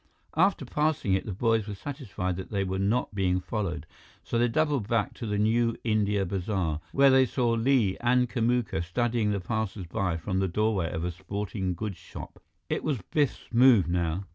After passing it, the boys were satisfied that they were not being followed, so they doubled back to the New India Bazaar, where they saw Li and Kamuka studying the passersby from the doorway of a sporting goods shop. It was Biff's move now.